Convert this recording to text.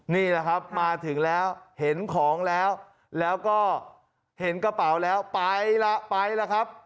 นี่แหละครับมาถึงแล้วเห็นของแล้วแล้วก็เห็นกระเป๋าแล้วไปล่ะไปล่ะครับ